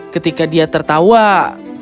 ketika dia tertawa terdengar suara putriku tertawa